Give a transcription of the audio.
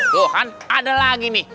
loh kan ada lagi nih